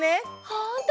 ほんとだ！